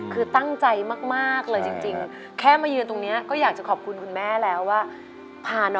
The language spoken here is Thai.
คือตั้งใจมากเลยจริงแค่มายืนตรงนี้ก็อยากจะขอบคุณคุณแม่แล้วว่าพาน้อง